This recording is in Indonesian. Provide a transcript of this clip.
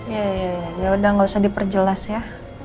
ya ya ya ya udah gak usah diperjelas ya